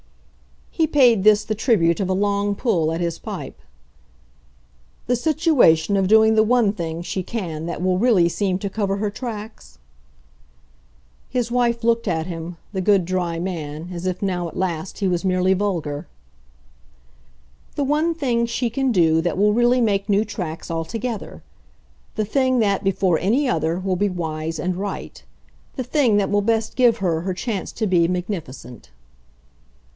He paid this the tribute of a long pull at his pipe. "The situation of doing the one thing she can that will really seem to cover her tracks?" His wife looked at him, the good dry man, as if now at last he was merely vulgar. "The one thing she can do that will really make new tracks altogether. The thing that, before any other, will be wise and right. The thing that will best give her her chance to be magnificent."